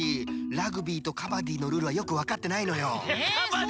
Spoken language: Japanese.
ラグビーとカバディのルールはよくわかってないのよ。